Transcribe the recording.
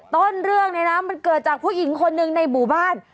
ต้นเรื่องเนี่ยนะมันเกิดจากผู้หญิงคนหนึ่งในหมู่บ้าน